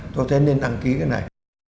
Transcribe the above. tôi thấy nên đăng ký cái này